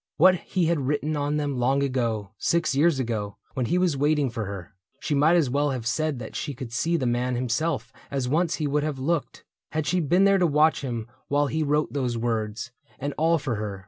What he had written on them long ago, — Six years ago, when he was waiting for her. She might as well have said that she could see The man himself, as once he would have looked 144 THE BOOK OF ANN AND ALE Had she been there to watch him while he wrote Those words, and all for her.